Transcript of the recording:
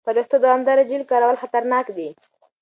پر وېښتو دوامداره جیل کارول خطرناک دي.